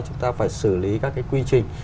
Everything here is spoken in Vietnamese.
chúng ta phải xử lý các cái quy trình